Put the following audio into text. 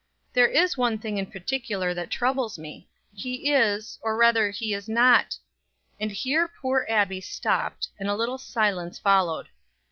There is one thing in particular that troubles me he is, or rather he is not ," and here poor Abbie stopped, and a little silence followed.